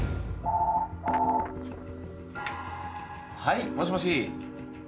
☎はいもしもし。